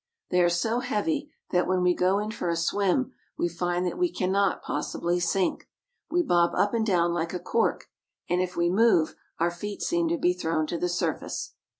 They are so heavy that when we go in for a swim we find that we cannot possibly sink. We bob up and down like a cork; and if we move, our feet seem to be thrown to the surface.